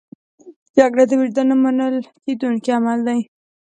جګړه د وجدان نه منل کېدونکی عمل دی